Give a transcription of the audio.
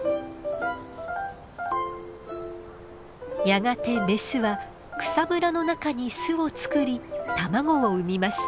やがてメスは草むらの中に巣を作り卵を産みます。